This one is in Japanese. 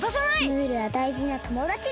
ムールはだいじなともだちだ！